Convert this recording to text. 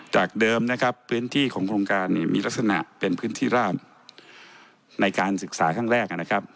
จากเดิมนะครับพื้นที่ของโครงการเนี่ยมีลักษณะเป็นพื้นที่ราบในการศึกษาครั้งแรกนะครับ